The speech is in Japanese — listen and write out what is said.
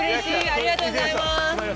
ありがとうございます！